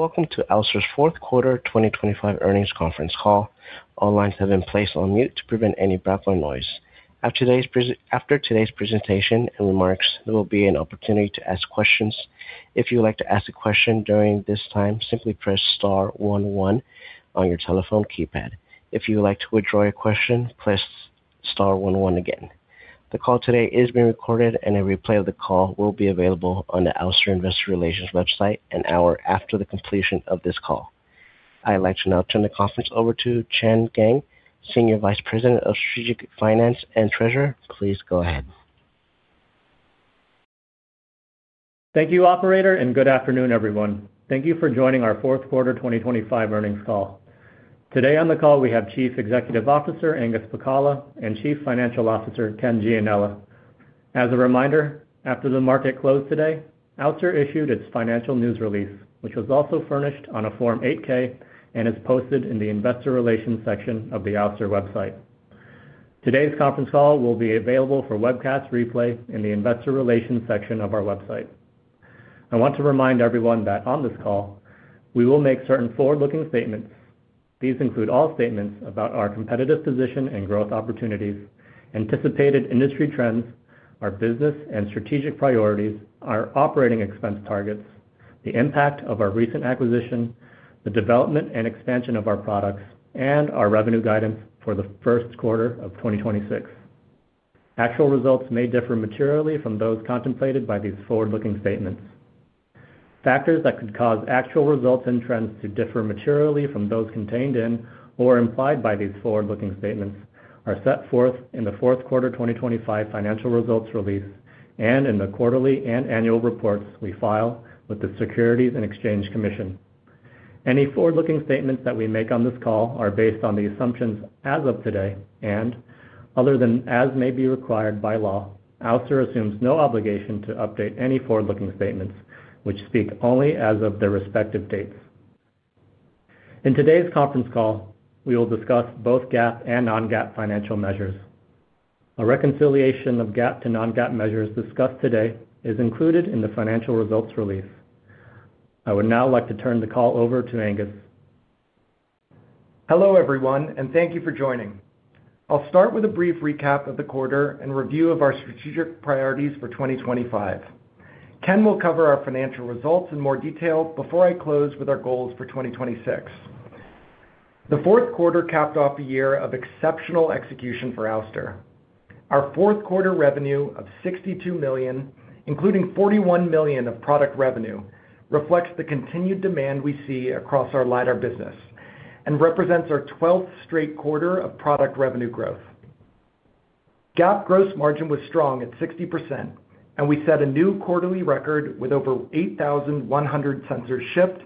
Welcome to Ouster's fourth quarter 2025 earnings conference call. All lines have been placed on mute to prevent any background noise. After today's presentation and remarks, there will be an opportunity to ask questions. If you would like to ask a question during this time, simply press star one one on your telephone keypad. If you would like to withdraw your question, press star one one again. The call today is being recorded and a replay of the call will be available on the Ouster Investor Relations website an hour after the completion of this call. I'd like to now turn the conference over to Chen Geng, Senior Vice President of Strategic Finance and Treasurer. Please go ahead. Thank you operator. Good afternoon, everyone. Thank you for joining our fourth quarter 2025 earnings call. Today on the call we have Chief Executive Officer, Angus Pacala, and Chief Financial Officer, Ken Gianella. As a reminder, after the market closed today, Ouster issued its financial news release, which was also furnished on a Form 8-K and is posted in the investor relations section of the Ouster website. Today's conference call will be available for webcast replay in the investor relations section of our website. I want to remind everyone that on this call we will make certain forward-looking statements. These include all statements about our competitive position and growth opportunities, anticipated industry trends, our business and strategic priorities, our operating expense targets, the impact of our recent acquisition, the development and expansion of our products, and our revenue guidance for the first quarter of 2026. Actual results may differ materially from those contemplated by these forward-looking statements. Factors that could cause actual results and trends to differ materially from those contained in or implied by these forward-looking statements are set forth in the fourth quarter of 2025 financial results release and in the quarterly and annual reports we file with the Securities and Exchange Commission. Other than as may be required by law, Ouster assumes no obligation to update any forward-looking statements which speak only as of their respective dates. In today's conference call, we will discuss both GAAP and non-GAAP financial measures. A reconciliation of GAAP to non-GAAP measures discussed today is included in the financial results release. I would now like to turn the call over to Angus. Hello everyone, thank you for joining. I'll start with a brief recap of the quarter and review of our strategic priorities for 2025. Ken will cover our financial results in more detail before I close with our goals for 2026. The fourth quarter capped off a year of exceptional execution for Ouster. Our fourth quarter revenue of $62 million, including $41 million of product revenue, reflects the continued demand we see across our lidar business and represents our twelfth straight quarter of product revenue growth. GAAP gross margin was strong at 60%. We set a new quarterly record with over 8,100 sensors shipped,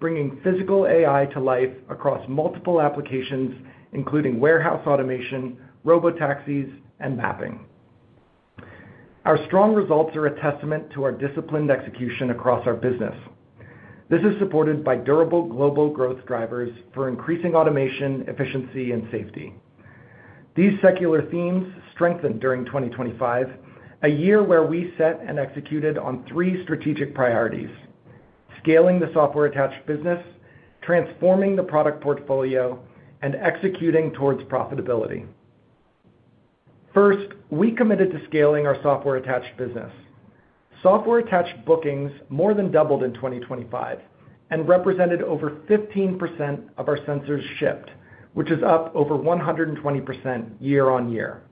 bringing Physical AI to life across multiple applications, including warehouse automation, robotaxis, and mapping. Our strong results are a testament to our disciplined execution across our business. This is supported by durable global growth drivers for increasing automation, efficiency and safety. These secular themes strengthened during 2025, a year where we set and executed on three strategic priorities: scaling the software attached business, transforming the product portfolio, and executing towards profitability. First, we committed to scaling our software attached business. Software attached bookings more than doubled in 2025 and represented over 15% of our sensors shipped, which is up over 120% year-over-year.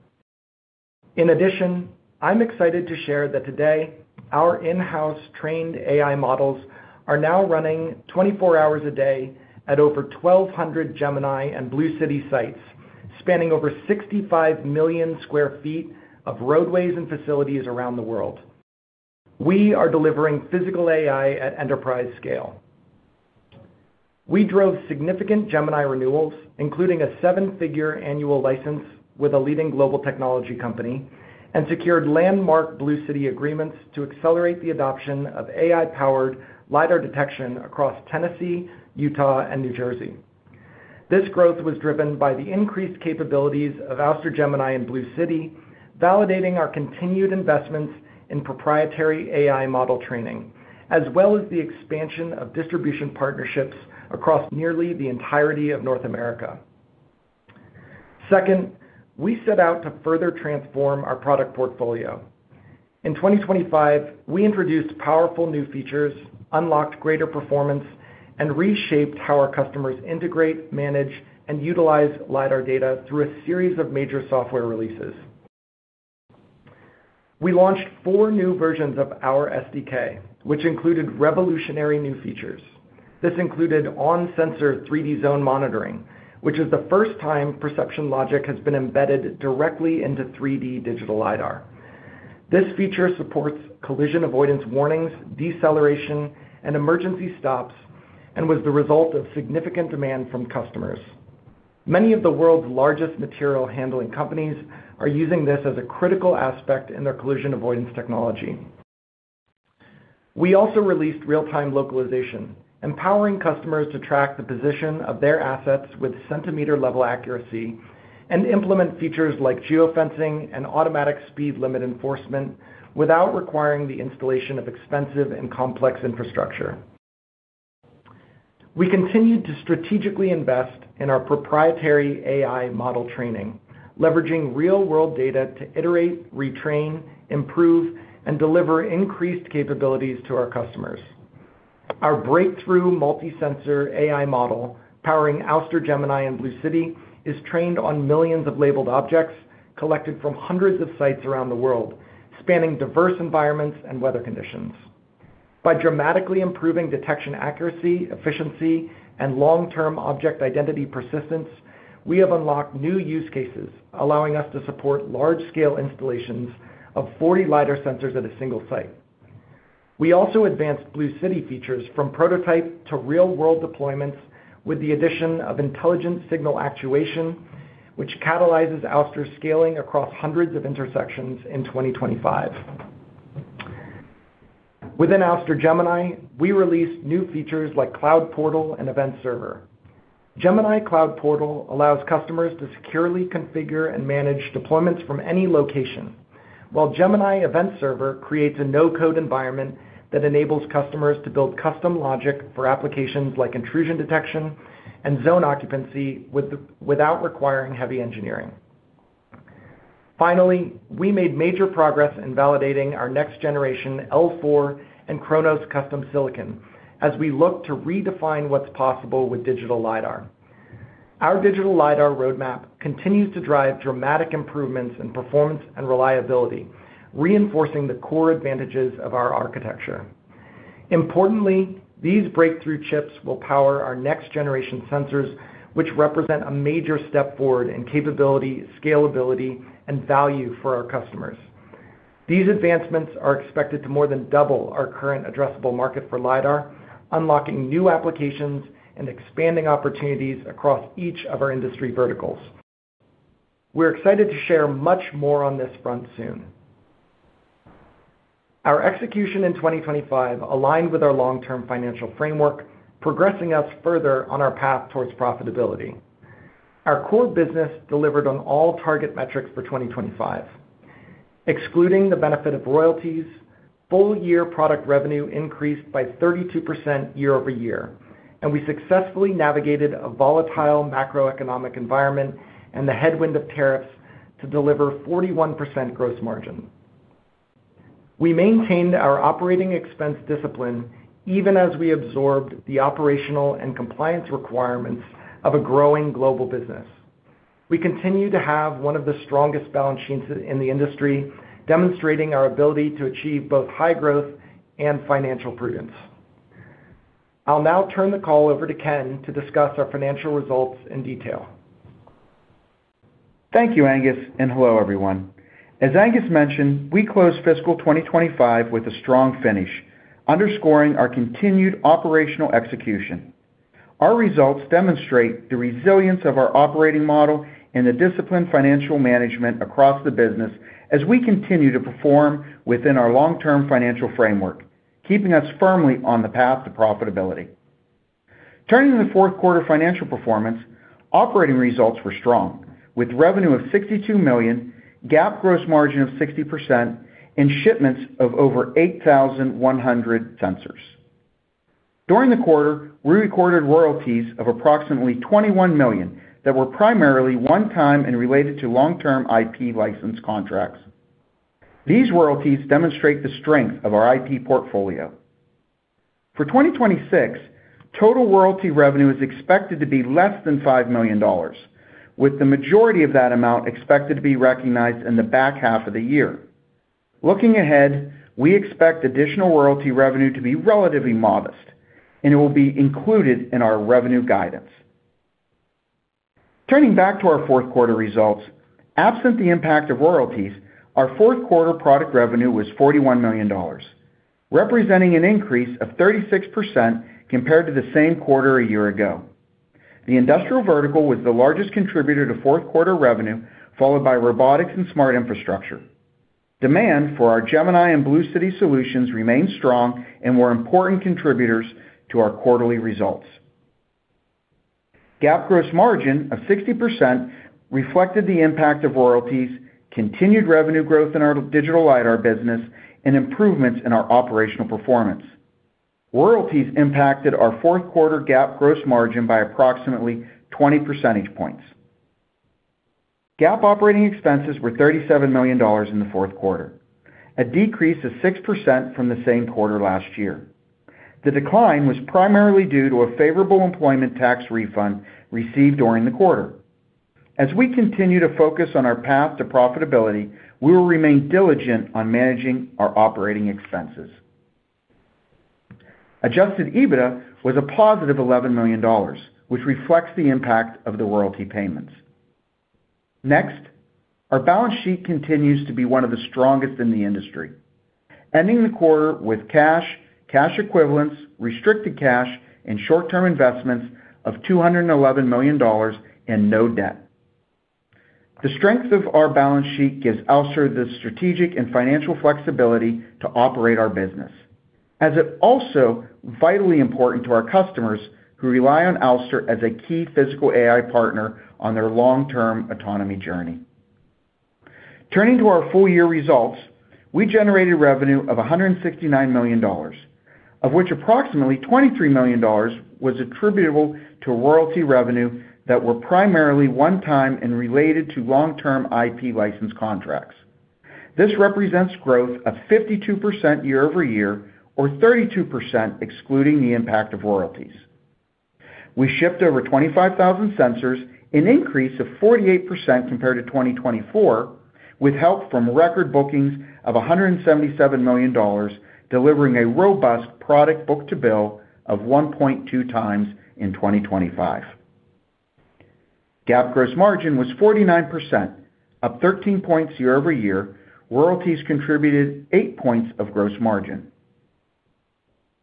I'm excited to share that today our in-house trained AI models are now running 24 hours a day at over 1,200 Gemini and BlueCity sites, spanning over 65 million sq ft of roadways and facilities around the world. We are delivering Physical AI at enterprise scale. We drove significant Gemini renewals, including a 7-figure annual license with a leading global technology company, and secured landmark BlueCity agreements to accelerate the adoption of AI-powered lidar detection across Tennessee, Utah, and New Jersey. This growth was driven by the increased capabilities of Ouster Gemini and BlueCity, validating our continued investments in proprietary AI model training, as well as the expansion of distribution partnerships across nearly the entirety of North America. Second, we set out to further transform our product portfolio. In 2025, we introduced powerful new features, unlocked greater performance, and reshaped how our customers integrate, manage, and utilize lidar data through a series of major software releases. We launched 4 new versions of our SDK, which included revolutionary new features. This included on-sensor 3D Zone Monitoring, which is the first time perception logic has been embedded directly into 3D digital lidar. This feature supports collision avoidance warnings, deceleration, and emergency stops. Was the result of significant demand from customers. Many of the world's largest material handling companies are using this as a critical aspect in their collision avoidance technology. We also released real-time localization, empowering customers to track the position of their assets with centimeter-level accuracy and implement features like geofencing and automatic speed limit enforcement without requiring the installation of expensive and complex infrastructure. We continued to strategically invest in our proprietary AI model training, leveraging real world data to iterate, retrain, improve, and deliver increased capabilities to our customers. Our breakthrough multi-sensor AI model powering Ouster Gemini and BlueCity is trained on millions of labeled objects collected from hundreds of sites around the world, spanning diverse environments and weather conditions. By dramatically improving detection accuracy, efficiency, and long-term object identity persistence, we have unlocked new use cases, allowing us to support large scale installations of 40 lidar sensors at a single site. We also advanced BlueCity features from prototype to real-world deployments with the addition of intelligent signal actuation, which catalyzes Ouster's scaling across hundreds of intersections in 2025. Within Ouster Gemini, we released new features like Cloud Portal and Event Server. Gemini Cloud Portal allows customers to securely configure and manage deployments from any location. While Gemini Event Server creates a no-code environment that enables customers to build custom logic for applications like intrusion detection and zone occupancy without requiring heavy engineering. Finally, we made major progress in validating our next generation L4 and Chronos custom silicon as we look to redefine what's possible with digital lidar. Our digital lidar roadmap continues to drive dramatic improvements in performance and reliability, reinforcing the core advantages of our architecture. These breakthrough chips will power our next generation sensors, which represent a major step forward in capability, scalability, and value for our customers. These advancements are expected to more than double our current addressable market for lidar, unlocking new applications and expanding opportunities across each of our industry verticals. We're excited to share much more on this front soon. Our execution in 2025 aligned with our long-term financial framework, progressing us further on our path towards profitability. Our core business delivered on all target metrics for 2025. Excluding the benefit of royalties, full year product revenue increased by 32% year-over-year, and we successfully navigated a volatile macroeconomic environment and the headwind of tariffs to deliver 41% gross margin. We maintained our operating expense discipline even as we absorbed the operational and compliance requirements of a growing global business. We continue to have one of the strongest balance sheets in the industry, demonstrating our ability to achieve both high growth and financial prudence. I'll now turn the call over to Ken to discuss our financial results in detail. Thank you, Angus. Hello, everyone. As Angus mentioned, we closed fiscal 2025 with a strong finish, underscoring our continued operational execution. Our results demonstrate the resilience of our operating model and the disciplined financial management across the business as we continue to perform within our long-term financial framework, keeping us firmly on the path to profitability. Turning to the fourth quarter financial performance, operating results were strong with revenue of $62 million, GAAP gross margin of 60%, and shipments of over 8,100 sensors. During the quarter, we recorded royalties of approximately $21 million that were primarily one-time and related to long-term IP license contracts. These royalties demonstrate the strength of our IP portfolio. For 2026, total royalty revenue is expected to be less than $5 million, with the majority of that amount expected to be recognized in the back half of the year. Looking ahead, we expect additional royalty revenue to be relatively modest, and it will be included in our revenue guidance. Turning back to our fourth quarter results, absent the impact of royalties, our fourth quarter product revenue was $41 million, representing an increase of 36% compared to the same quarter a year ago. The industrial vertical was the largest contributor to fourth quarter revenue, followed by robotics and smart infrastructure. Demand for our Gemini and BlueCity solutions remained strong and were important contributors to our quarterly results. GAAP gross margin of 60% reflected the impact of royalties, continued revenue growth in our digital lidar business, and improvements in our operational performance. Royalties impacted our fourth quarter GAAP gross margin by approximately 20 percentage points. GAAP operating expenses were $37 million in the fourth quarter, a decrease of 6% from the same quarter last year. The decline was primarily due to a favorable employment tax refund received during the quarter. As we continue to focus on our path to profitability, we will remain diligent on managing our operating expenses. Adjusted EBITDA was a positive $11 million, which reflects the impact of the royalty payments. Our balance sheet continues to be one of the strongest in the industry, ending the quarter with cash equivalents, restricted cash, and short-term investments of $211 million and no debt. The strength of our balance sheet gives Ouster the strategic and financial flexibility to operate our business, as it also vitally important to our customers who rely on Ouster as a key Physical AI partner on their long-term autonomy journey. Turning to our full year results, we generated revenue of $169 million, of which approximately $23 million was attributable to royalty revenue that were primarily one-time and related to long-term IP license contracts. This represents growth of 52% year-over-year, or 32% excluding the impact of royalties. We shipped over 25,000 sensors, an increase of 48% compared to 2024, with help from record bookings of $177 million, delivering a robust product book-to-bill of 1.2x in 2025. GAAP gross margin was 49%, up 13 points year-over-year. Royalties contributed eight points of gross margin.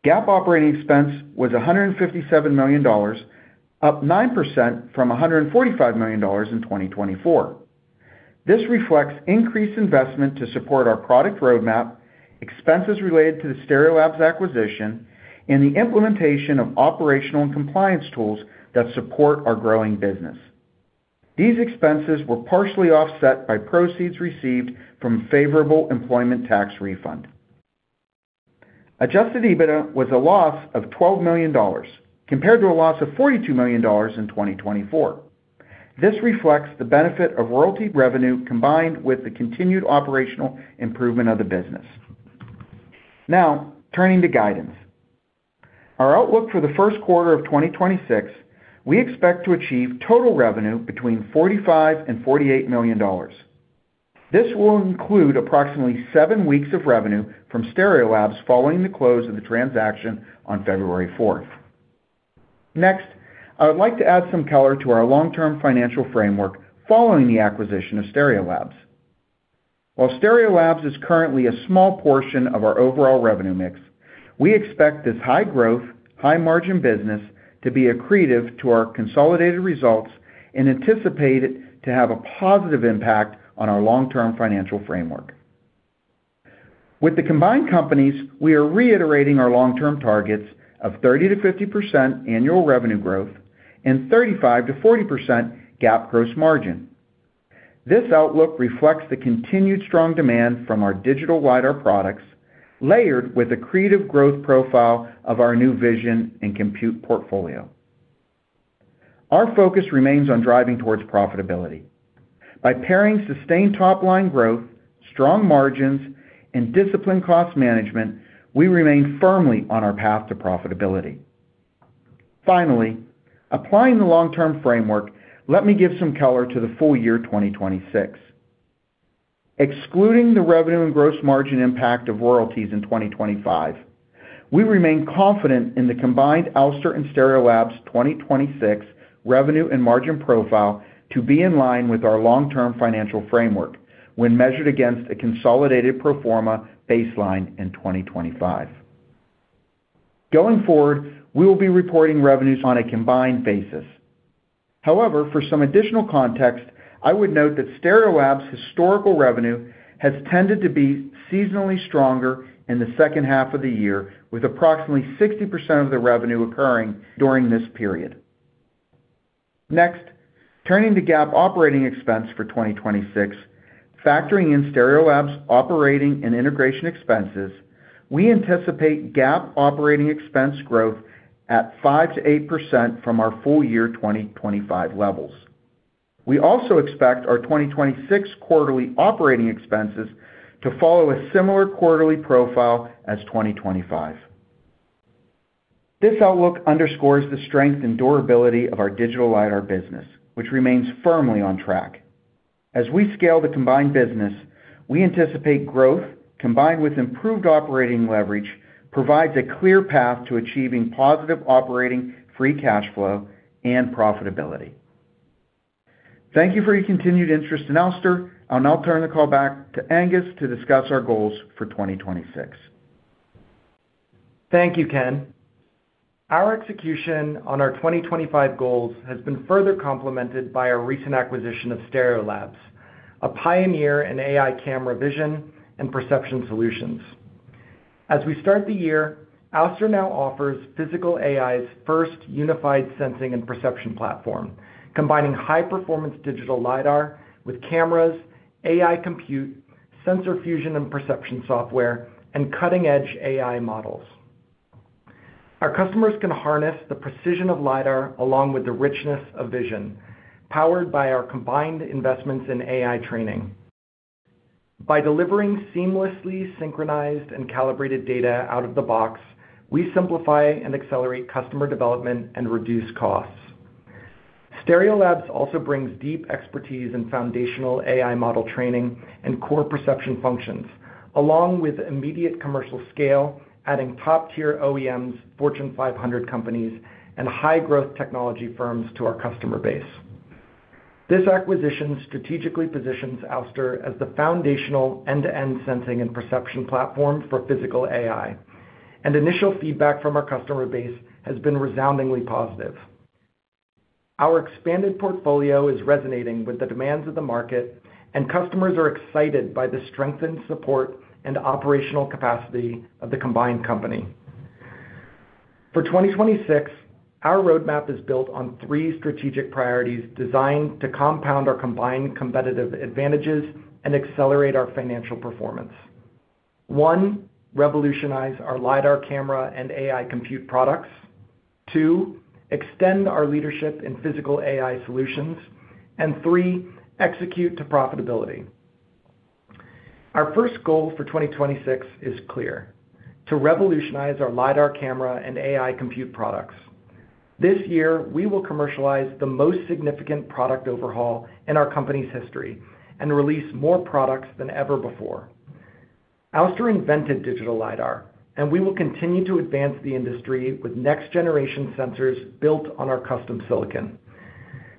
GAAP operating expense was $157 million, up 9% from $145 million in 2024. This reflects increased investment to support our product roadmap, expenses related to the Stereolabs acquisition, and the implementation of operational and compliance tools that support our growing business. These expenses were partially offset by proceeds received from favorable employment tax refund. Adjusted EBITDA was a loss of $12 million compared to a loss of $42 million in 2024. This reflects the benefit of royalty revenue combined with the continued operational improvement of the business. Turning to guidance. Our outlook for the first quarter of 2026, we expect to achieve total revenue between $45 million and $48 million. This will include approximately 7 weeks of revenue from Stereolabs following the close of the transaction on February fourth. I would like to add some color to our long-term financial framework following the acquisition of Stereolabs. While Stereolabs is currently a small portion of our overall revenue mix, we expect this high growth, high margin business to be accretive to our consolidated results and anticipate it to have a positive impact on our long-term financial framework. With the combined companies, we are reiterating our long-term targets of 30%-50% annual revenue growth and 35%-40% GAAP gross margin. This outlook reflects the continued strong demand from our digital lidar products, layered with accretive growth profile of our new vision and compute portfolio. Our focus remains on driving towards profitability. By pairing sustained top line growth, strong margins, and disciplined cost management, we remain firmly on our path to profitability. Applying the long-term framework, let me give some color to the full year 2026. Excluding the revenue and gross margin impact of royalties in 2025, we remain confident in the combined Ouster and Stereolabs 2026 revenue and margin profile to be in line with our long-term financial framework when measured against a consolidated pro forma baseline in 2025. Going forward, we will be reporting revenues on a combined basis. For some additional context, I would note that Stereolabs' historical revenue has tended to be seasonally stronger in the second half of the year, with approximately 60% of the revenue occurring during this period. Turning to GAAP operating expense for 2026. Factoring in Stereolabs' operating and integration expenses, we anticipate GAAP operating expense growth at 5%-8% from our full year 2025 levels. We also expect our 2026 quarterly operating expenses to follow a similar quarterly profile as 2025. This outlook underscores the strength and durability of our digital lidar business, which remains firmly on track. As we scale the combined business, we anticipate growth, combined with improved operating leverage, provides a clear path to achieving positive operating free cash flow and profitability. Thank you for your continued interest in Ouster. I'll now turn the call back to Angus to discuss our goals for 2026. Thank you, Ken. Our execution on our 2025 goals has been further complemented by our recent acquisition of Stereolabs, a pioneer in AI camera vision and perception solutions. As we start the year, Ouster now offers Physical AI's first unified sensing and perception platform, combining high-performance digital lidar with cameras, AI compute, sensor fusion and perception software, and cutting-edge AI models. Our customers can harness the precision of lidar along with the richness of vision, powered by our combined investments in AI training. By delivering seamlessly synchronized and calibrated data out of the box, we simplify and accelerate customer development and reduce costs. Stereolabs also brings deep expertise in foundational AI model training and core perception functions, along with immediate commercial scale, adding top-tier OEMs, Fortune 500 companies, and high-growth technology firms to our customer base. This acquisition strategically positions Ouster as the foundational end-to-end sensing and perception platform for Physical AI. Initial feedback from our customer base has been resoundingly positive. Our expanded portfolio is resonating with the demands of the market. Customers are excited by the strengthened support and operational capacity of the combined company. For 2026, our roadmap is built on three strategic priorities designed to compound our combined competitive advantages and accelerate our financial performance. 1. Revolutionize our lidar camera and AI compute products. 2. Extend our leadership in Physical AI solutions. 3. Execute to profitability. Our first goal for 2026 is clear: to revolutionize our lidar camera and AI compute products. This year, we will commercialize the most significant product overhaul in our company's history and release more products than ever before. Ouster invented digital lidar, and we will continue to advance the industry with next generation sensors built on our custom silicon.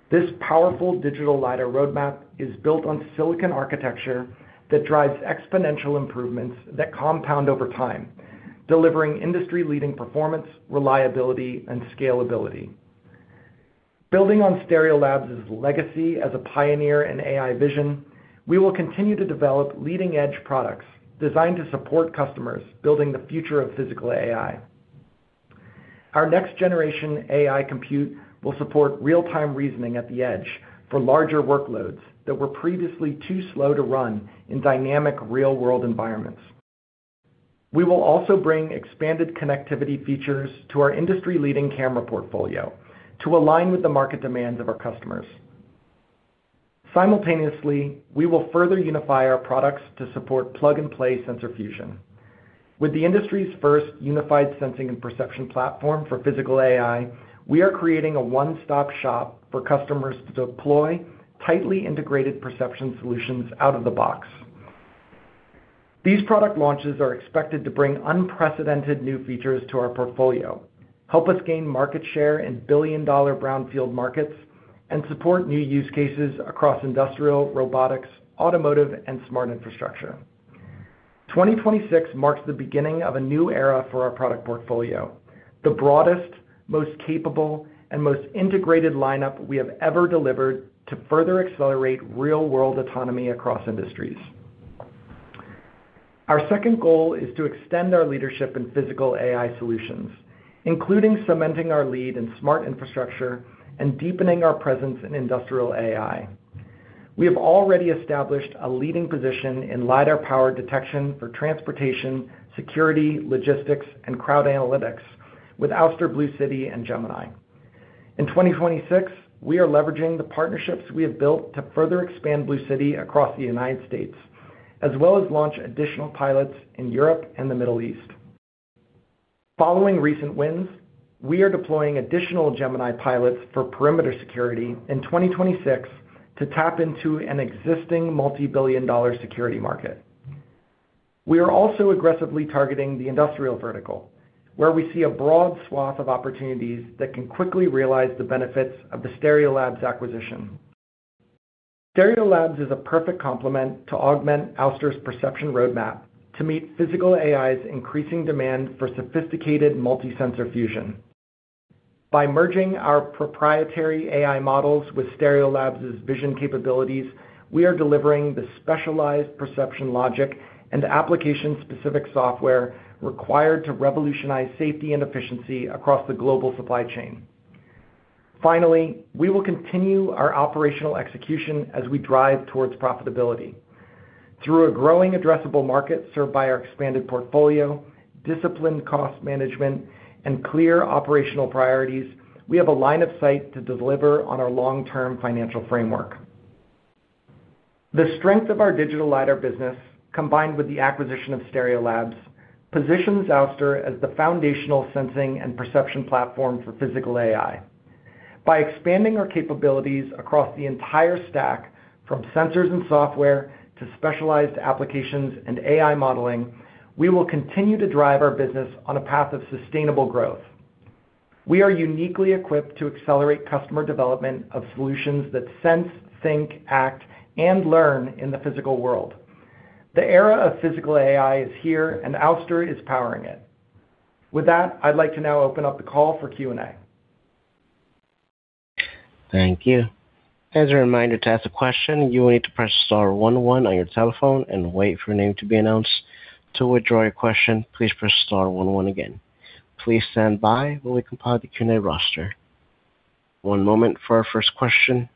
This powerful digital lidar roadmap is built on silicon architecture that drives exponential improvements that compound over time, delivering industry leading performance, reliability, and scalability. Building on Stereolabs' legacy as a pioneer in AI vision, we will continue to develop leading edge products designed to support customers building the future of physical AI. Our next generation AI compute will support real time reasoning at the edge for larger workloads that were previously too slow to run in dynamic real world environments. We will also bring expanded connectivity features to our industry leading camera portfolio to align with the market demands of our customers. Simultaneously, we will further unify our products to support plug and play sensor fusion. With the industry's first unified sensing and perception platform for physical AI, we are creating a one-stop shop for customers to deploy tightly integrated perception solutions out of the box. These product launches are expected to bring unprecedented new features to our portfolio, help us gain market share in billion-dollar brownfield markets, and support new use cases across industrial, robotics, automotive, and smart infrastructure. 2026 marks the beginning of a new era for our product portfolio, the broadest, most capable, and most integrated lineup we have ever delivered to further accelerate real world autonomy across industries. Our second goal is to extend our leadership in physical AI solutions, including cementing our lead in smart infrastructure and deepening our presence in industrial AI. We have already established a leading position in lidar power detection for transportation, security, logistics, and crowd analytics with Ouster BlueCity and Gemini. In 2026, we are leveraging the partnerships we have built to further expand BlueCity across the United States, as well as launch additional pilots in Europe and the Middle East. Following recent wins, we are deploying additional Gemini pilots for perimeter security in 2026 to tap into an existing multi-billion dollar security market. We are also aggressively targeting the industrial vertical, where we see a broad swath of opportunities that can quickly realize the benefits of the Stereolabs acquisition. Stereolabs is a perfect complement to augment Ouster's perception roadmap to meet Physical AI's increasing demand for sophisticated multi-sensor fusion. By merging our proprietary AI models with Stereolabs' vision capabilities, we are delivering the specialized perception logic and application specific software required to revolutionize safety and efficiency across the global supply chain. Finally, we will continue our operational execution as we drive towards profitability. Through a growing addressable market served by our expanded portfolio, disciplined cost management, and clear operational priorities, we have a line of sight to deliver on our long-term financial framework. The strength of our digital lidar business, combined with the acquisition of Stereolabs, positions Ouster as the foundational sensing and perception platform for physical AI. By expanding our capabilities across the entire stack from sensors and software to specialized applications and AI modeling, we will continue to drive our business on a path of sustainable growth. We are uniquely equipped to accelerate customer development of solutions that sense, think, act, and learn in the physical world. The era of physical AI is here, and Ouster is powering it. With that, I'd like to now open up the call for Q&A. Thank you. As a reminder to ask a question, you will need to press star one one on your telephone and wait for your name to be announced. To withdraw your question, please press star one one again. Please stand by while we compile the Q&A roster. One moment for our first question.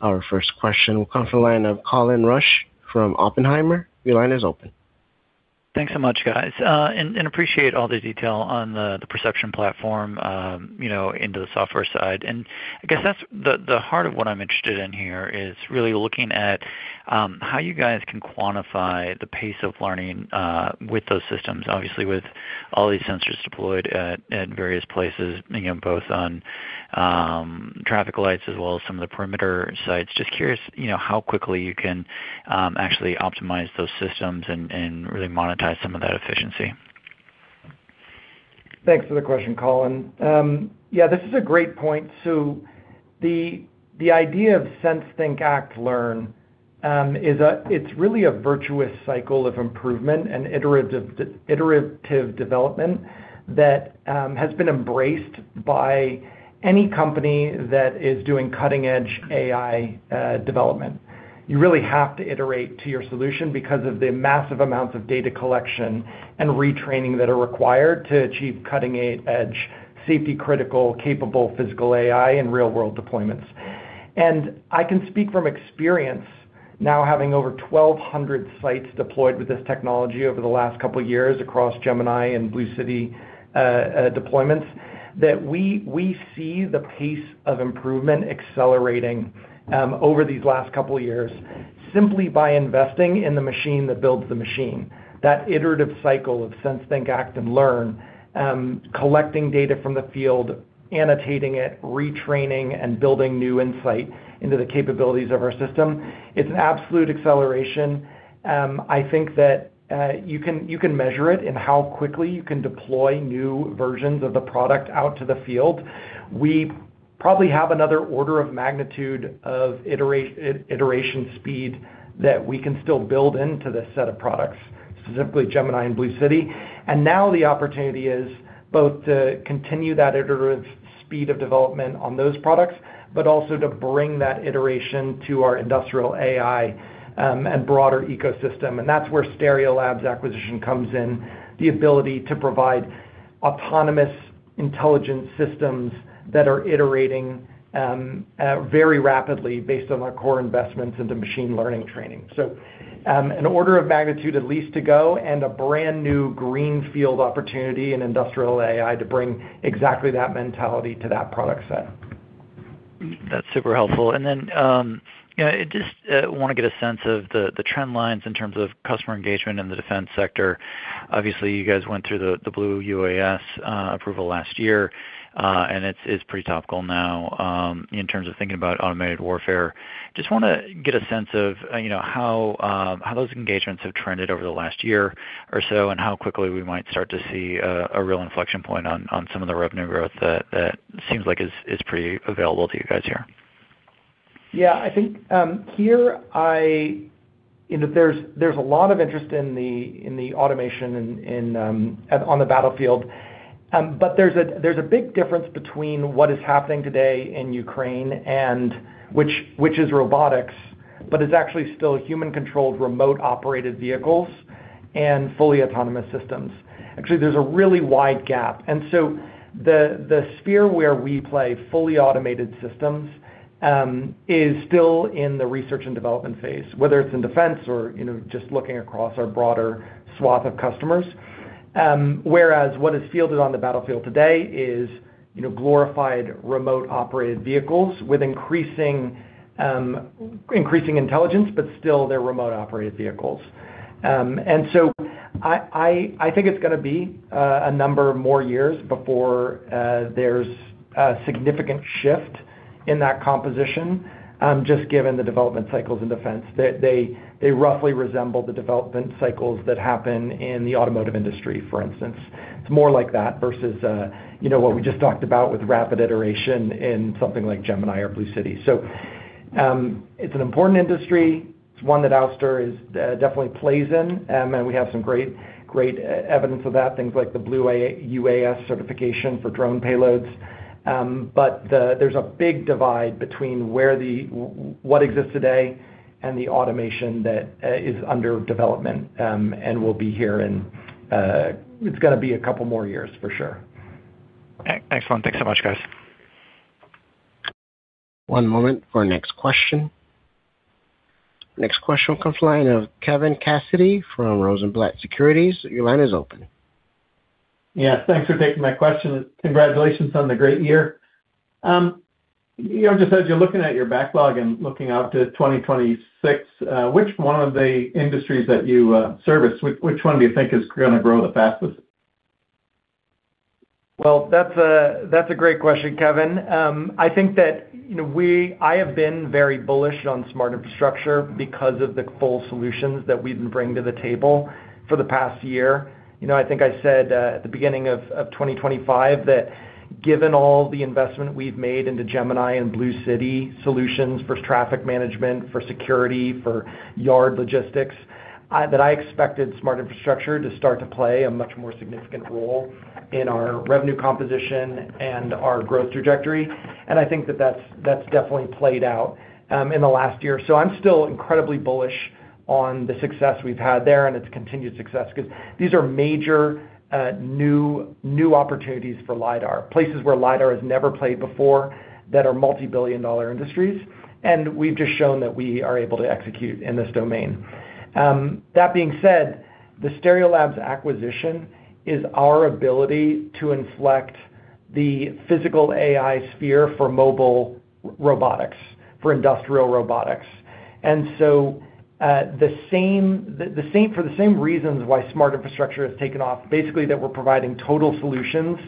Our first question will come from the line of Colin Rusch from Oppenheimer. Your line is open. Thanks so much, guys, and appreciate all the detail on the perception platform, you know, into the software side. I guess that's the heart of what I'm interested in here is really looking at how you guys can quantify the pace of learning with those systems. Obviously, with all these sensors deployed at various places, you know, both on traffic lights as well as some of the perimeter sites. Just curious, you know, how quickly you can actually optimize those systems and really monetize some of that efficiency. Thanks for the question, Colin. Yeah, this is a great point. The idea of sense, think, act, learn, it's really a virtuous cycle of improvement and iterative development that has been embraced by any company that is doing cutting edge AI development. You really have to iterate to your solution because of the massive amounts of data collection and retraining that are required to achieve cutting-edge, safety-critical, capable Physical AI in real-world deployments. I can speak from experience now having over 1,200 sites deployed with this technology over the last couple of years across Gemini and BlueCity deployments, that we see the pace of improvement accelerating over these last couple of years simply by investing in the machine that builds the machine. That iterative cycle of sense, think, act, and learn, collecting data from the field, annotating it, retraining, and building new insight into the capabilities of our system. It's an absolute acceleration. I think that you can measure it in how quickly you can deploy new versions of the product out to the field. We probably have another order of magnitude of iteration speed that we can still build into this set of products, specifically Gemini and BlueCity. Now the opportunity is both to continue that iterative speed of development on those products, but also to bring that iteration to our industrial AI and broader ecosystem. That's where Stereolabs acquisition comes in, the ability to provide autonomous intelligence systems that are iterating very rapidly based on our core investments into machine learning training. An order of magnitude at least to go and a brand-new greenfield opportunity in industrial AI to bring exactly that mentality to that product set. That's super helpful. You know, I just wanna get a sense of the trend lines in terms of customer engagement in the defense sector. Obviously, you guys went through the Blue UAS approval last year, and it's pretty topical now in terms of thinking about automated warfare. Just wanna get a sense of, you know, how those engagements have trended over the last year or so, and how quickly we might start to see a real inflection point on some of the revenue growth that seems like is pretty available to you guys here. Yeah. I think, here. You know, there's a lot of interest in the automation on the battlefield. There's a big difference between what is happening today in Ukraine and which is robotics, but it's actually still human-controlled, remote-operated vehicles and fully autonomous systems. Actually, there's a really wide gap. The sphere where we play fully automated systems is still in the research and development phase, whether it's in defense or, you know, just looking across our broader swath of customers. Whereas what is fielded on the battlefield today is, you know, glorified remote-operated vehicles with increasing intelligence, but still they're remote-operated vehicles. I think it's gonna be a number more years before there's a significant shift in that composition, just given the development cycles in defense. They roughly resemble the development cycles that happen in the automotive industry, for instance. It's more like that versus, you know, what we just talked about with rapid iteration in something like Gemini or BlueCity. It's an important industry. It's one that Ouster definitely plays in. We have some great evidence of that, things like the Blue UAS certification for drone payloads. But there's a big divide between what exists today and the automation that is under development and will be here in. It's gonna be a couple more years for sure. Excellent. Thanks so much, guys. One moment for our next question. Next question comes line of Kevin Cassidy from Rosenblatt Securities. Your line is open. Yeah. Thanks for taking my question. Congratulations on the great year. You know, just as you're looking at your backlog and looking out to 2026, which one of the industries that you service, which one do you think is gonna grow the fastest? That's a, that's a great question, Kevin. I think that, you know, I have been very bullish on smart infrastructure because of the full solutions that we've been bringing to the table for the past year. You know, I think I said at the beginning of 2025 that given all the investment we've made into Gemini and BlueCity solutions for traffic management, for security, for yard logistics, that I expected smart infrastructure to start to play a much more significant role in our revenue composition and our growth trajectory. I think that that's definitely played out in the last year. I'm still incredibly bullish on the success we've had there and its continued success 'cause these are major new opportunities for lidar, places where lidar has never played before that are multi-billion dollar industries, and we've just shown that we are able to execute in this domain. That being said, the Stereolabs acquisition is our ability to inflect the Physical AI sphere for mobile robotics, for industrial robotics. The same for the same reasons why smart infrastructure has taken off, basically, that we're providing total solutions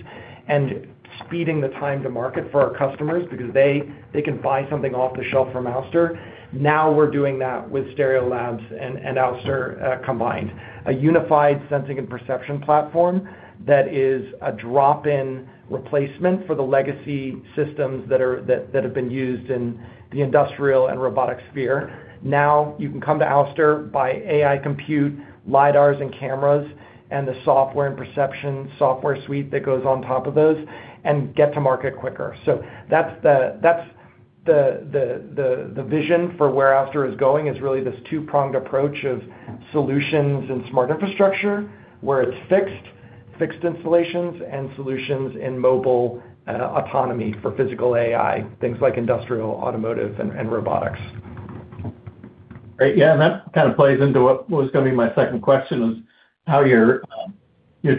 and speeding the time to market for our customers because they can buy something off the shelf from Ouster. Now we're doing that with Stereolabs and Ouster combined. A unified sensing and perception platform that is a drop-in replacement for the legacy systems that have been used in the industrial and robotic sphere. Now you can come to Ouster, buy AI compute, lidars and cameras, and the software and perception software suite that goes on top of those and get to market quicker. The vision for where Ouster is going is really this two-pronged approach of solutions and smart infrastructure, where it's fixed installations and solutions in mobile autonomy for physical AI, things like industrial, automotive, and robotics. Great. Yeah. That kind of plays into what was gonna be my second question, was how your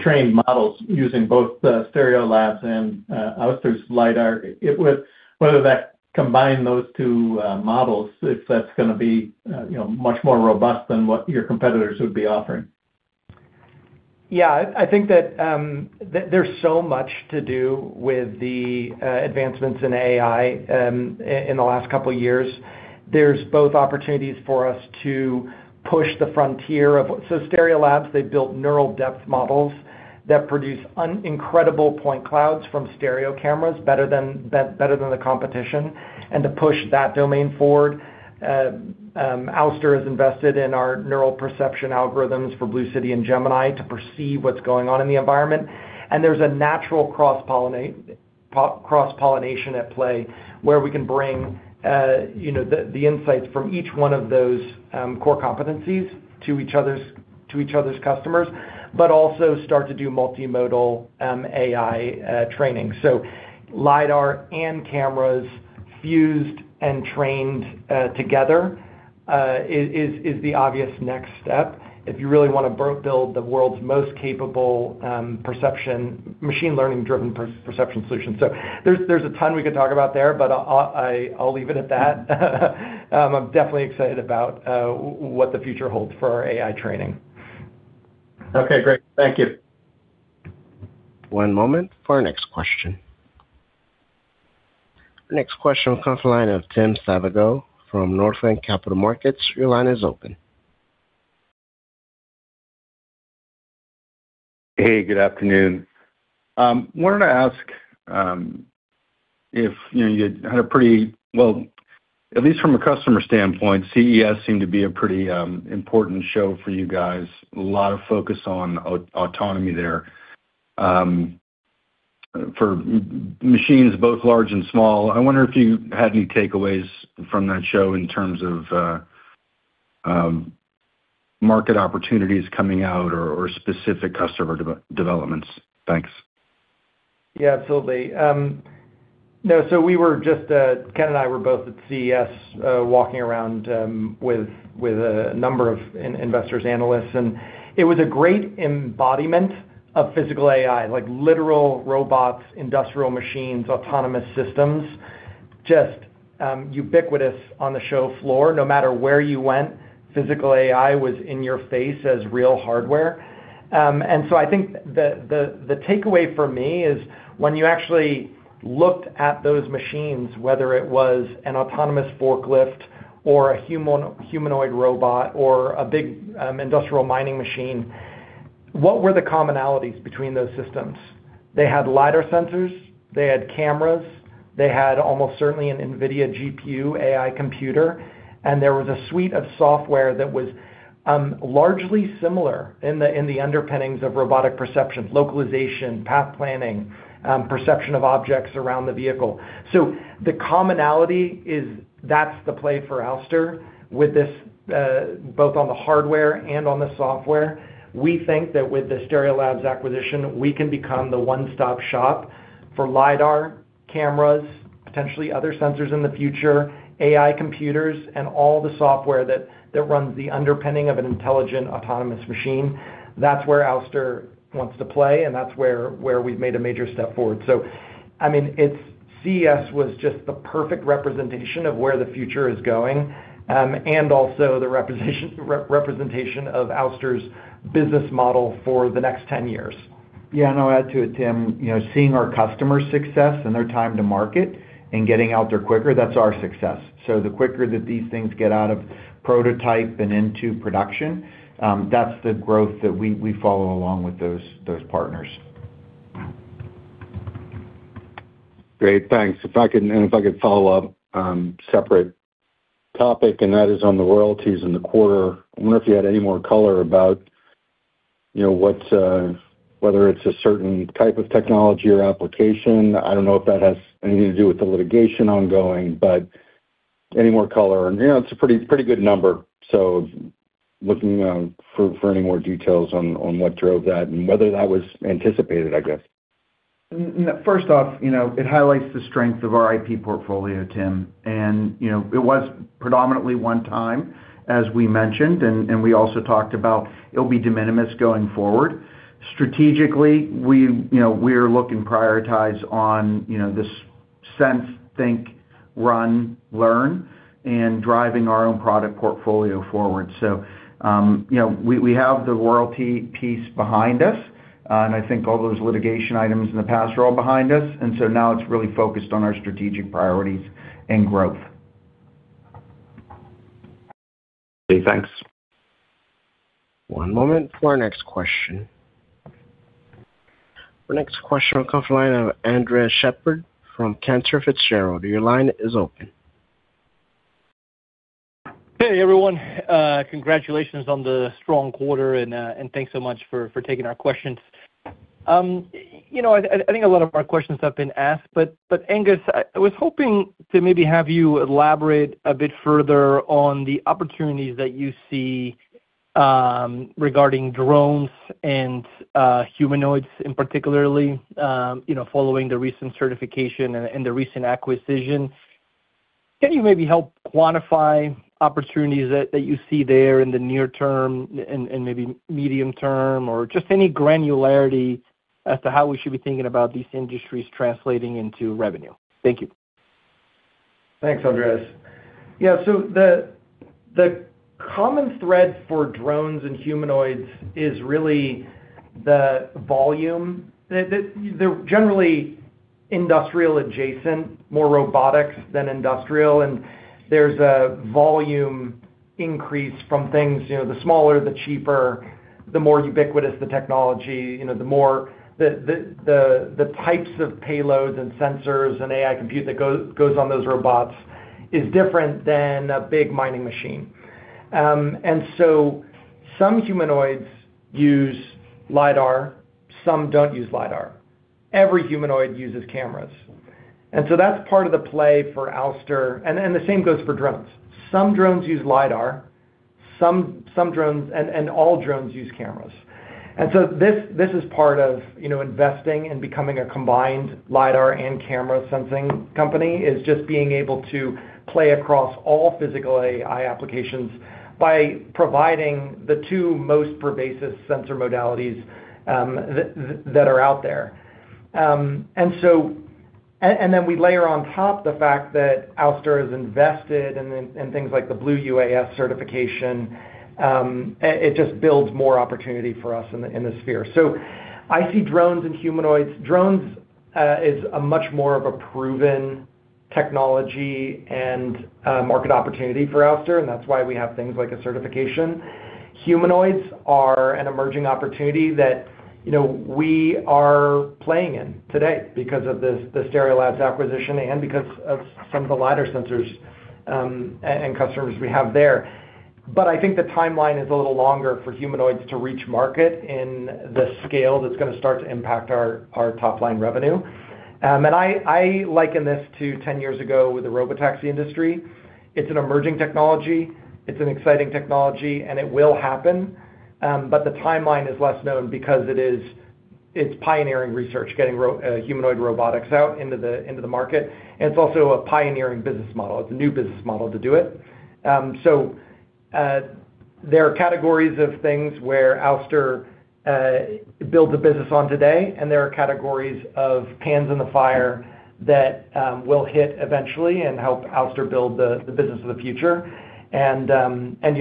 trained models using both the Stereolabs and Ouster's lidar, whether that combine those two models, if that's gonna be, you know, much more robust than what your competitors would be offering. Yeah. I think that, there's so much to do with the advancements in AI, in the last couple of years. There's both opportunities for us to push the frontier of... Stereolabs, they built neural depth models that produce an incredible point clouds from stereo cameras better than the competition, and to push that domain forward. Ouster has invested in our neural perception algorithms for BlueCity and Gemini to perceive what's going on in the environment. There's a natural cross-pollination at play where we can bring, you know, the insights from each one of those, core competencies to each other's customers, but also start to do multimodal AI training. lidar and cameras fused and trained together is the obvious next step if you really wanna build the world's most capable perception, machine learning-driven perception solutions. There's a ton we could talk about there, but I'll leave it at that. I'm definitely excited about what the future holds for our AI training. Okay, great. Thank you. One moment for our next question. Next question comes line of Tim Savageaux from Northland Capital Markets. Your line is open. Hey, good afternoon. wanted to ask, if you had a pretty, Well, at least from a customer standpoint, CES seemed to be a pretty important show for you guys. A lot of focus on autonomy there, for machines both large and small. I wonder if you had any takeaways from that show in terms of market opportunities coming out or specific customer developments. Thanks. Absolutely. We were just, Ken and I were both at CES, walking around with a number of investors, analysts. It was a great embodiment of Physical AI, like literal robots, industrial machines, autonomous systems, just ubiquitous on the show floor. No matter where you went, Physical AI was in your face as real hardware. I think the takeaway for me is when you actually looked at those machines, whether it was an autonomous forklift or a humanoid robot or a big industrial mining machine, what were the commonalities between those systems? They had lidar sensors, they had cameras, they had almost certainly an NVIDIA GPU AI computer, there was a suite of software that was largely similar in the underpinnings of robotic perception, localization, path planning, perception of objects around the vehicle. The commonality is that's the play for Ouster with this, both on the hardware and on the software. We think that with the Stereolabs acquisition, we can become the one-stop shop for lidar, cameras, potentially other sensors in the future, AI computers, and all the software that runs the underpinning of an intelligent autonomous machine. That's where Ouster wants to play, and that's where we've made a major step forward. I mean, it's CES was just the perfect representation of where the future is going, and also the representation of Ouster's business model for the next 10 years. I'll add to it, Tim. You know, seeing our customers' success and their time to market and getting out there quicker, that's our success. The quicker that these things get out of prototype and into production, that's the growth that we follow along with those partners. Great. Thanks. If I could, if I could follow up, separate topic, that is on the royalties in the quarter. I wonder if you had any more color about, you know, what's, whether it's a certain type of technology or application. I don't know if that has anything to do with the litigation ongoing, any more color? You know, it's a pretty good number. Looking for any more details on what drove that and whether that was anticipated, I guess. First off, you know, it highlights the strength of our IP portfolio, Tim. You know, it was predominantly one time, as we mentioned, and we also talked about it'll be de minimis going forward. Strategically, we, you know, we're looking prioritize on, you know, this sense, think, run, learn, and driving our own product portfolio forward. You know, we have the royalty piece behind us, and I think all those litigation items in the past are all behind us. Now it's really focused on our strategic priorities and growth. Okay, thanks. One moment for our next question. Our next question will come from line of Andres Sheppard from Cantor Fitzgerald. Your line is open. Hey, everyone. Congratulations on the strong quarter and thanks so much for taking our questions. You know, I think a lot of our questions have been asked, but Angus, I was hoping to maybe have you elaborate a bit further on the opportunities that you see regarding drones and humanoids and particularly, you know, following the recent certification and the recent acquisition. Can you maybe help quantify opportunities that you see there in the near term and maybe medium term, or just any granularity as to how we should be thinking about these industries translating into revenue? Thank you. Thanks, Andres. Yeah. The common thread for drones and humanoids is really the volume. They're generally industrial adjacent, more robotics than industrial, and there's a volume increase from things, you know, the smaller, the cheaper, the more ubiquitous the technology, you know, the more the types of payloads and sensors and AI compute that goes on those robots is different than a big mining machine. Some humanoids use lidar, some don't use lidar. Every humanoid uses cameras. That's part of the play for Ouster and the same goes for drones. Some drones use lidar, some drones and all drones use cameras. This is part of, you know, investing and becoming a combined lidar and camera sensing company, is just being able to play across all Physical AI applications by providing the two most pervasive sensor modalities that are out there. Then we layer on top the fact that Ouster is invested in things like the Blue UAS certification, it just builds more opportunity for us in the sphere. I see drones and humanoids. Drones is a much more of a proven technology and market opportunity for Ouster, and that's why we have things like a certification. Humanoids are an emerging opportunity that, you know, we are playing in today because of the Stereolabs acquisition and because of some of the lidar sensors and customers we have there. I think the timeline is a little longer for humanoids to reach market in the scale that's gonna start to impact our top-line revenue. I liken this to 10 years ago with the robotaxi industry. It's an emerging technology, it's an exciting technology, and it will happen, but the timeline is less known because it's pioneering research, getting humanoid robotics out into the market, and it's also a pioneering business model. It's a new business model to do it. There are categories of things where Ouster builds a business on today, and there are categories of pans in the fire that we'll hit eventually and help Ouster build the business of the future. You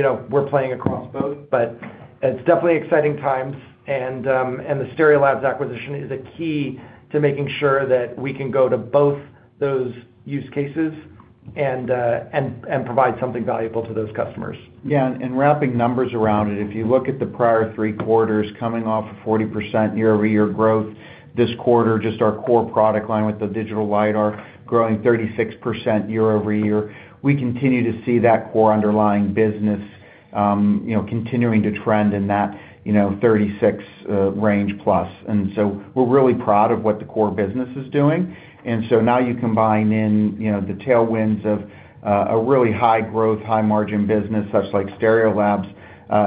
know, we're playing across both, but it's definitely exciting times and the Stereolabs acquisition is a key to making sure that we can go to both those use cases and provide something valuable to those customers. Wrapping numbers around it, if you look at the prior three quarters coming off of 40% year-over-year growth, this quarter, just our core product line with the digital lidar growing 36% year-over-year, we continue to see that core underlying business, you know, continuing to trend in that, you know, 36 range plus. We're really proud of what the core business is doing. Now you combine in, you know, the tailwinds of a really high growth, high margin business such like Stereolabs,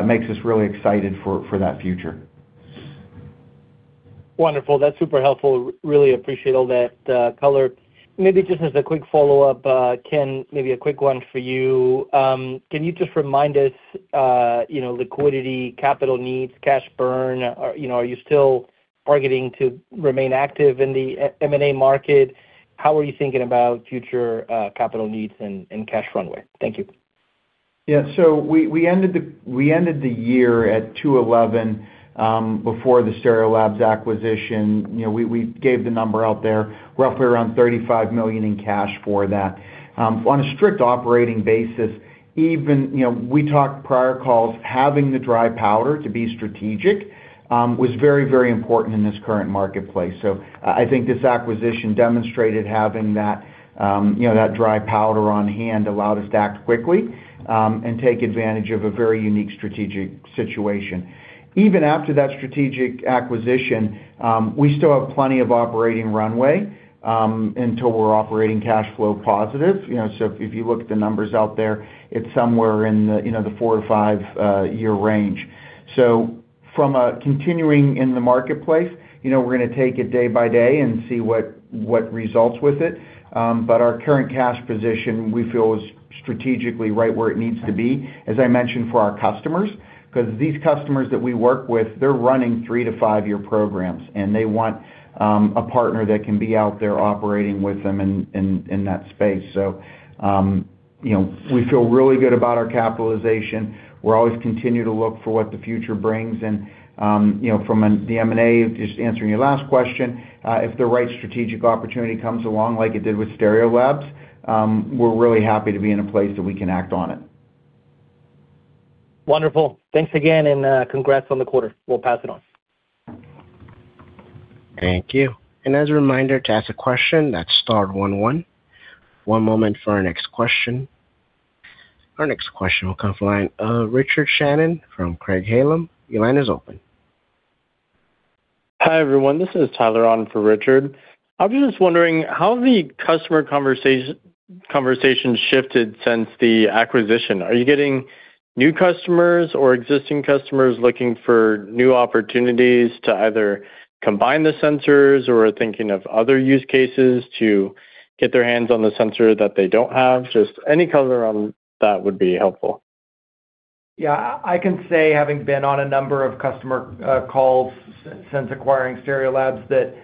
makes us really excited for that future. Wonderful. That's super helpful. Really appreciate all that color. Maybe just as a quick follow-up, Ken, maybe a quick one for you. Can you just remind us, you know, liquidity, capital needs, cash burn, or, you know, are you still targeting to remain active in the M&A market? How are you thinking about future capital needs and cash runway? Thank you. We ended the year at 211 before the Stereolabs acquisition. You know, we gave the number out there, roughly around $35 million in cash for that. On a strict operating basis, even, you know, we talked prior calls, having the dry powder to be strategic, was very, very important in this current marketplace. I think this acquisition demonstrated having that, you know, that dry powder on hand allowed us to act quickly and take advantage of a very unique strategic situation. Even after that strategic acquisition, we still have plenty of operating runway until we're operating cash flow positive. You know, if you look at the numbers out there, it's somewhere in the, you know, the 4 or 5 year range. From a continuing in the marketplace, you know, we're gonna take it day by day and see what results with it. Our current cash position, we feel is strategically right where it needs to be, as I mentioned for our customers. 'Cause these customers that we work with, they're running 3 to 5-year programs, and they want a partner that can be out there operating with them in that space. We feel really good about our capitalization. We're always continue to look for what the future brings and, you know, from the M&A, just answering your last question, if the right strategic opportunity comes along like it did with Stereolabs, we're really happy to be in a place that we can act on it. Wonderful. Thanks again, and congrats on the quarter. We'll pass it on. Thank you. As a reminder to ask a question, that's star one one. One moment for our next question. Our next question will come from the line of Richard Shannon from Craig-Hallum. Your line is open. Hi, everyone. This is Tyler on for Richard. I was just wondering how the customer conversation shifted since the acquisition. Are you getting new customers or existing customers looking for new opportunities to either combine the sensors or are thinking of other use cases to get their hands on the sensor that they don't have? Just any color on that would be helpful. Yeah. I can say having been on a number of customer calls since acquiring Stereolabs, that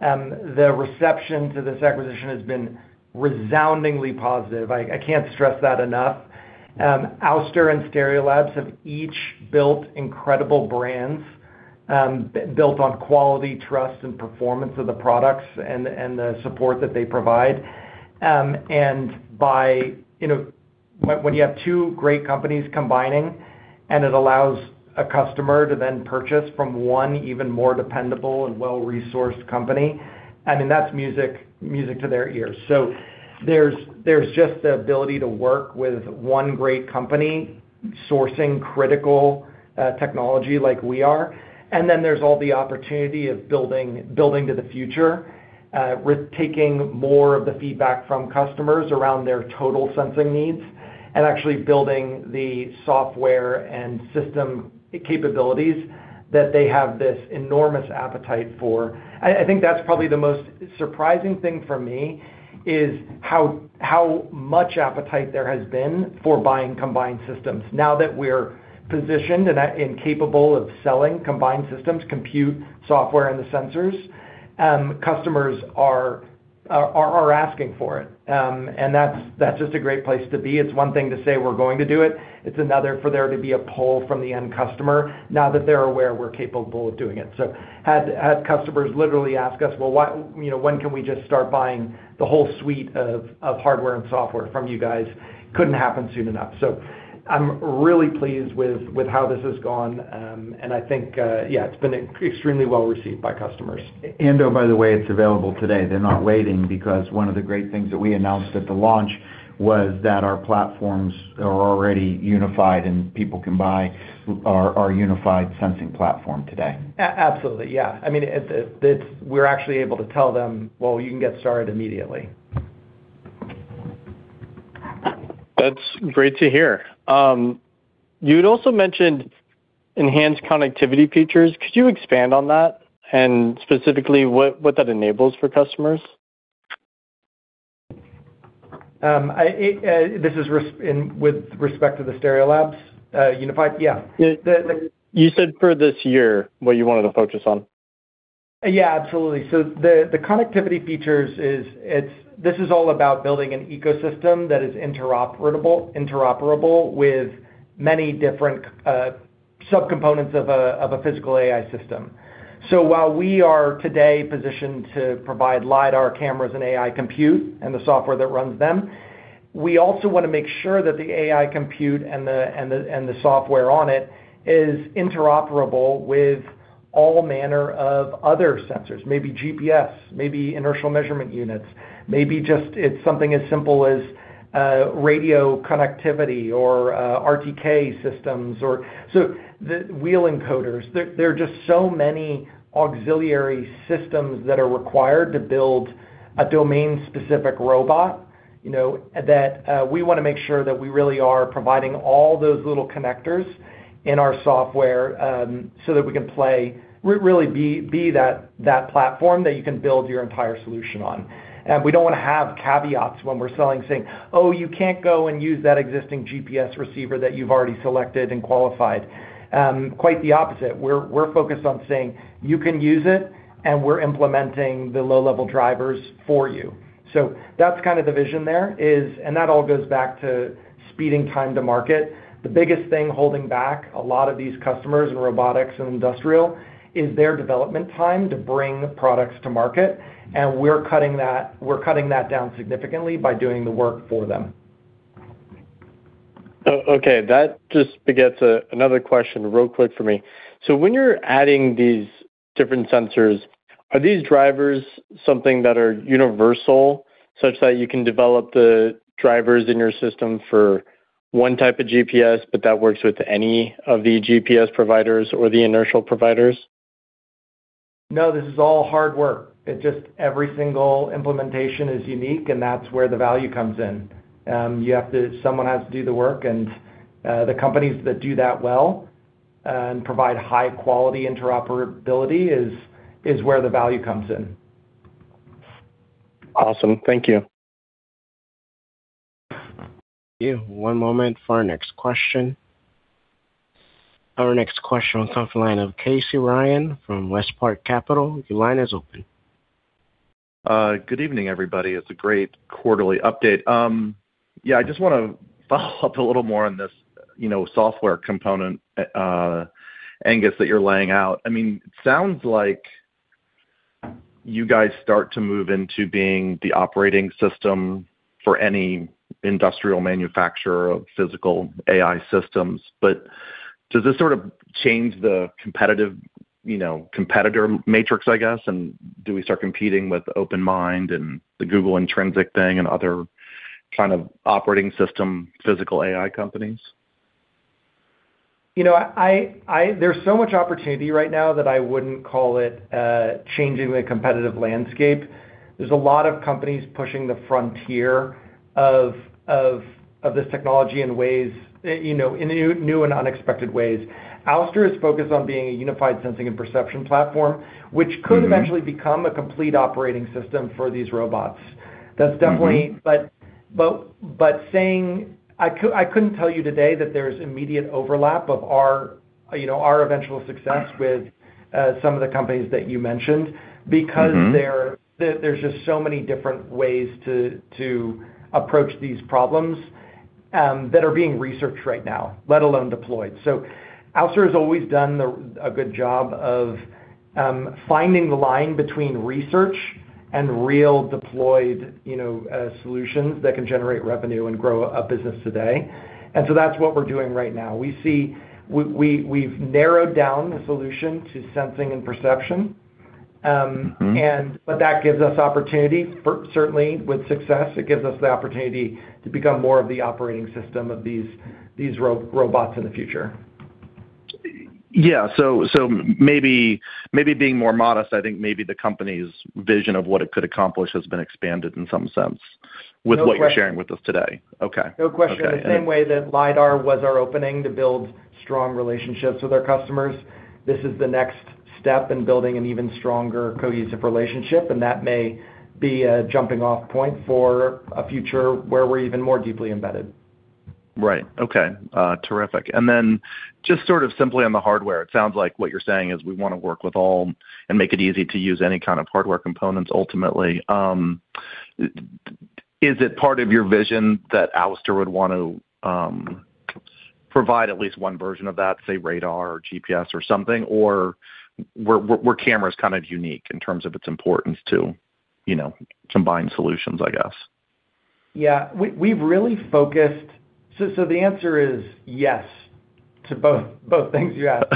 the reception to this acquisition has been resoundingly positive. I can't stress that enough. Ouster and Stereolabs have each built incredible brands, built on quality, trust, and performance of the products and the support that they provide. And by, you know, when you have two great companies combining, and it allows a customer to then purchase from one even more dependable and well-resourced company, I mean, that's music to their ears. There's just the ability to work with one great company sourcing critical technology like we are. Then there's all the opportunity of building to the future, with taking more of the feedback from customers around their total sensing needs and actually building the software and system capabilities that they have this enormous appetite for. I think that's probably the most surprising thing for me is how much appetite there has been for buying combined systems. Now that we're positioned and capable of selling combined systems, compute software and the sensors, customers are asking for it. That's just a great place to be. It's one thing to say we're going to do it. It's another for there to be a pull from the end customer now that they're aware we're capable of doing it. Had customers literally ask us, "Well, why, you know, when can we just start buying the whole suite of hardware and software from you guys?" Couldn't happen soon enough. I'm really pleased with how this has gone. Yeah, it's been extremely well received by customers. Oh, by the way, it's available today. They're not waiting because one of the great things that we announced at the launch was that our platforms are already unified, and people can buy our unified sensing platform today. Absolutely. Yeah. I mean, we're actually able to tell them, "Well, you can get started immediately. That's great to hear. You'd also mentioned enhanced connectivity features. Could you expand on that and specifically what that enables for customers? This is with respect to the Stereolabs unified? Yeah. You said for this year what you wanted to focus on. Yeah, absolutely. The connectivity features is this is all about building an ecosystem that is interoperable with many different subcomponents of a Physical AI system. While we are today positioned to provide lidar cameras and AI compute and the software that runs them, we also wanna make sure that the AI compute and the, and the, and the software on it is interoperable with all manner of other sensors, maybe GPS, maybe inertial measurement units, maybe just it's something as simple as radio connectivity or RTK systems or the wheel encoders. There are just so many auxiliary systems that are required to build a domain-specific robot, you know, that we wanna make sure that we really are providing all those little connectors in our software, so that we can really be that platform that you can build your entire solution on. We don't wanna have caveats when we're selling saying, "Oh, you can't go and use that existing GPS receiver that you've already selected and qualified." Quite the opposite. We're, we're focused on saying, "You can use it, and we're implementing the low-level drivers for you." That's kind of the vision there, and that all goes back to speeding time to market. The biggest thing holding back a lot of these customers in robotics and industrial is their development time to bring products to market, and we're cutting that down significantly by doing the work for them. Okay. That just begets another question real quick for me. When you're adding these different sensors, are these drivers something that are universal such that you can develop the drivers in your system for one type of GPS, but that works with any of the GPS providers or the inertial providers? No, this is all hard work. It just every single implementation is unique, and that's where the value comes in. someone has to do the work, and the companies that do that well and provide high-quality interoperability is where the value comes in. Awesome. Thank you. Thank you. One moment for our next question. Our next question will come from the line of Casey Ryan from WestPark Capital. Your line is open. Good evening, everybody. It's a great quarterly update. I just wanna follow up a little more on this software component, Angus, that you're laying out. It sounds like you guys start to move into being the operating system for any industrial manufacturer of Physical AI systems. Does this sort of change the competitive competitor matrix, I guess, and do we start competing with OpenMind and the Google Intrinsic thing and other kind of operating system Physical AI companies? You know, I there's so much opportunity right now that I wouldn't call it changing the competitive landscape. There's a lot of companies pushing the frontier of this technology in ways, you know, in new and unexpected ways. Ouster is focused on being a unified sensing and perception platform, which could. Mm-hmm eventually become a complete operating system for these robots. That's definitely. Mm-hmm. I couldn't tell you today that there's immediate overlap of our, you know, our eventual success with some of the companies that you mentioned. Mm-hmm ...because there's just so many different ways to approach these problems that are being researched right now, let alone deployed. Ouster has always done a good job of finding the line between research and real deployed, you know, solutions that can generate revenue and grow a business today. That's what we're doing right now. We've narrowed down the solution to sensing and perception. Mm-hmm... that gives us opportunity certainly with success, it gives us the opportunity to become more of the operating system of these robots in the future. Yeah. maybe being more modest, I think maybe the company's vision of what it could accomplish has been expanded in some sense. No question. what you're sharing with us today. Okay. No question. Okay. The same way that lidar was our opening to build strong relationships with our customers, this is the next step in building an even stronger cohesive relationship, and that may be a jumping-off point for a future where we're even more deeply embedded. Right. Okay. Terrific. Just sort of simply on the hardware, it sounds like what you're saying is we wanna work with all and make it easy to use any kind of hardware components ultimately. Is it part of your vision that Ouster would want to provide at least one version of that, say radar or GPS or something, or we're cameras kind of unique in terms of its importance to, you know, combined solutions, I guess? Yeah. We've really focused. The answer is yes to both things you asked.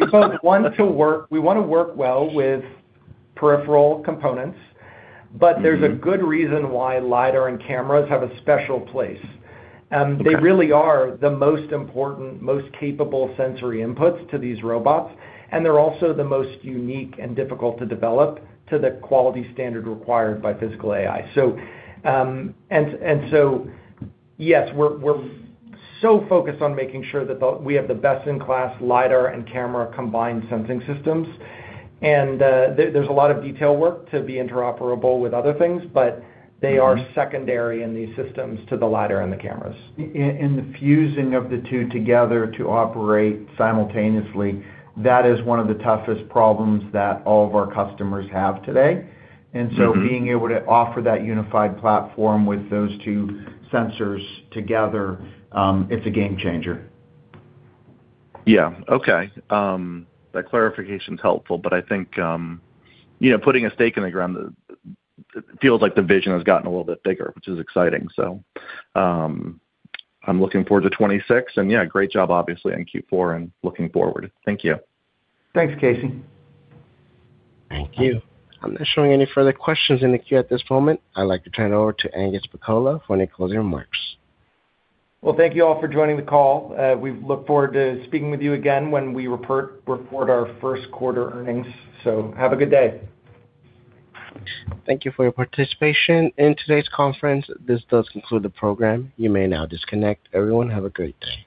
We both want to work, we wanna work well with peripheral components. Mm-hmm there's a good reason why lidar and cameras have a special place. Okay ...they really are the most important, most capable sensory inputs to these robots, and they're also the most unique and difficult to develop to the quality standard required by Physical AI. Yes, we're so focused on making sure that we have the best-in-class lidar and camera combined sensing systems. There's a lot of detail work to be interoperable with other things. Mm-hmm ...secondary in these systems to the lidar and the cameras. In the fusing of the two together to operate simultaneously, that is one of the toughest problems that all of our customers have today. Mm-hmm. Being able to offer that unified platform with those two sensors together, it's a game changer. Yeah. Okay. That clarification's helpful, but I think, you know, putting a stake in the ground, it feels like the vision has gotten a little bit bigger, which is exciting. I'm looking forward to 2026. Yeah, great job obviously on Q4 and looking forward. Thank you. Thanks, Casey. Thank you. I'm not showing any further questions in the queue at this moment. I'd like to turn it over to Angus Pacala for any closing remarks. Well, thank you all for joining the call. We look forward to speaking with you again when we report our first quarter earnings. Have a good day. Thank you for your participation in today's conference. This does conclude the program. You may now disconnect. Everyone, have a great day.